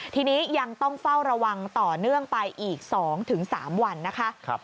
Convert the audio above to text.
ทีนี้ยังต้องเฝ้าระวังต่อเนื่องไปอีก๒๓วันนะคะ